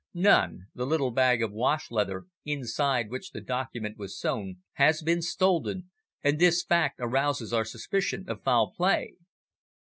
"None. The little bag of wash leather, inside which the document was sewn, has been stolen, and this fact arouses our suspicion of foul play."